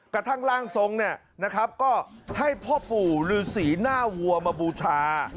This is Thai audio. กระทั่งร่างทรงเนี่ยนะครับก็ให้พ่อปู่หรือศรีหน้าวัวมาบูชา